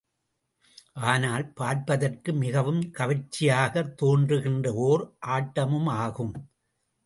ஆனால், பார்ப்பதற்கு மிகவும் கவர்ச்சியாகத் தோன்றுகின்ற ஒர் ஆட்டமுமாகும்.